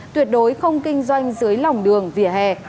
tuyệt đối không kinh doanh dưới lòng đường vỉa hè